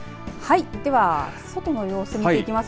では、外の様子を見ていきます。